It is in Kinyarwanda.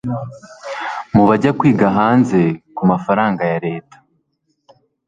mu bajya kwiga hanze ku mafaranga ya leta